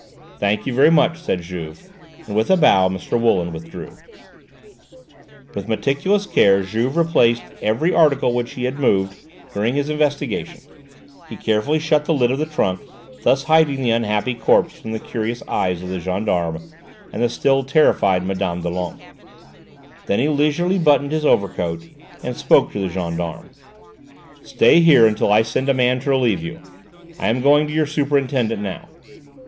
"Thank you very much," said Juve, and with a bow Mr. Wooland withdrew. With meticulous care Juve replaced every article which he had moved during his investigations. He carefully shut the lid of the trunk, thus hiding the unhappy corpse from the curious eyes of the gendarme and the still terrified Mme. Doulenques. Then he leisurely buttoned his overcoat and spoke to the gendarme. "Stay here until I send a man to relieve you; I am going to your superintendent now."